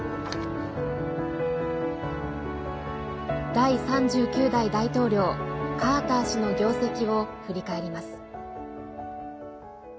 第３９代大統領カーター氏の業績を振り返ります。